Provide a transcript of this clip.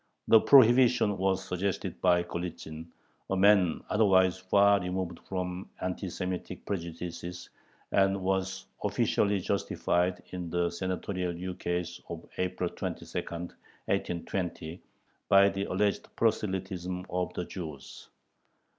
The prohibition was suggested by Golitzin, a man otherwise far removed from anti Semitic prejudices, and was officially justified in the Senatorial ukase of April 22, 1820, by the alleged proselytism of the Jews.